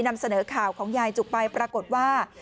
นำเสนอข่าวของยายจุกไปปรากฏว่า